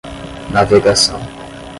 navegação